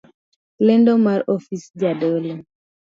Lendo mar ofis jadolo